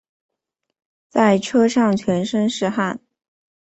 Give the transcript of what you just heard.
在车上全身是汗